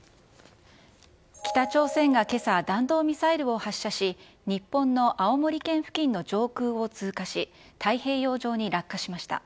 北朝鮮がけさ、弾道ミサイルを発射し、日本の青森県付近の上空を通過し、太平洋上に落下しました。